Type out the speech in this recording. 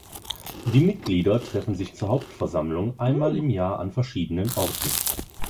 Die Mitglieder treffen sich zur Hauptversammlung einmal im Jahr an verschiedenen Orten.